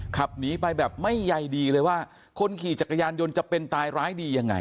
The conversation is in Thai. ขับหนีไปแบบไม่ใยดีเลยว่าคนขี่จักรยานยนต์จะเป็นตายร้ายดียังไง